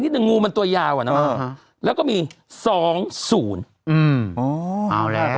หนึ่งงูมันตัวยาวอ่ะเนอะแล้วก็มีสองศูนย์อืมอ๋อเอาแล้ว